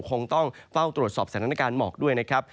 คงต้องเฝ้าตรวจสอบสถานการณ์หมอกด้วยนะครับ